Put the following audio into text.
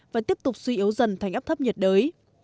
và tiếp tục suy yếu dần thành áp thấp nhiệt đới